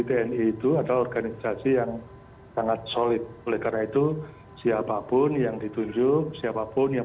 tni itu adalah organisasi yang sangat solid oleh karena itu siapapun yang ditunjuk siapapun yang